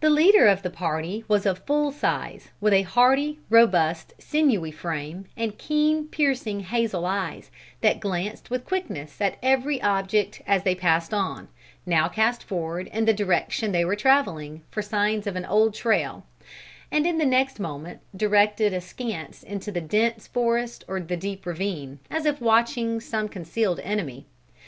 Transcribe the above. The leader of the party was of full size, with a hardy, robust, sinewy frame, and keen piercing hazel eyes, that glanced with quickness at every object as they passed on, now cast forward in the direction they were travelling, for signs of an old trail, and in the next moment directed askance into the dense forest or the deep ravine, as if watching some concealed enemy.